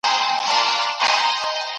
لسګون او لسى توپير سره لري.